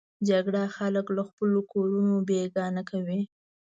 جګړه خلک له خپلو کورونو بېګانه کوي